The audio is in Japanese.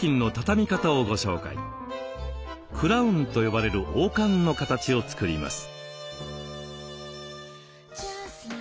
「クラウン」と呼ばれる王冠の形を作ります。